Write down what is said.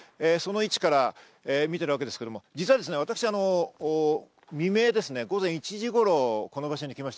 その位置から見ているわけですけど実際私、午前１時頃、この場所に来ました。